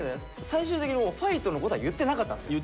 最終的にファイトのことは言ってなかったんですよ。